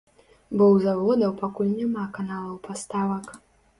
Бо ў заводаў пакуль няма каналаў паставак.